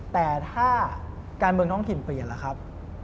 แต่ถ้าการเมืองท้องถิ่นเปลี่ยนล่ะครับ